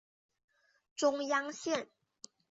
中央线